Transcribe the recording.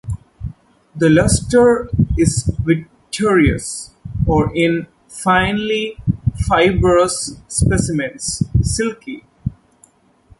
The luster is vitreous, or, in finely fibrous specimens, silky.